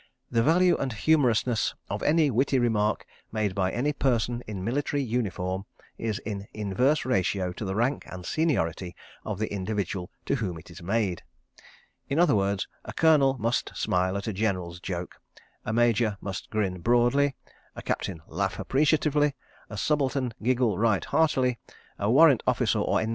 _The value and humorousness of any witty remark made by any person in military uniform is in inverse ratio to the rank and seniority of the individual to whom it is made_. In other words, a Colonel must smile at a General's joke, a Major must grin broadly, a Captain laugh appreciatively, a Subaltern giggle right heartily, a Warrant Officer or N.